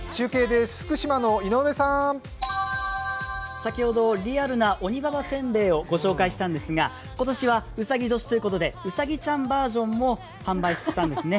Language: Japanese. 先ほどリアルなオニババ煎餅を照会したんですが今年はうさぎ年ということでうさぎちゃんバージョンも販売したんですね。